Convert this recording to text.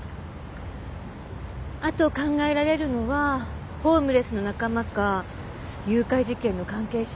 あと考えられるのはホームレスの仲間か誘拐事件の関係者？